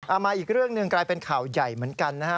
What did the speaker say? มาอีกเรื่องหนึ่งกลายเป็นข่าวใหญ่เหมือนกันนะฮะ